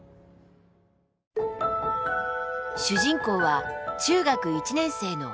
主人公は中学１年生のハナ。